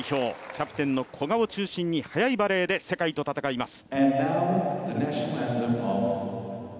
キャプテンの古賀を中心に速いバレーで世界と戦います。